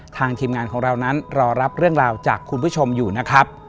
ทีมงานของเรานั้นรอรับเรื่องราวจากคุณผู้ชมอยู่นะครับ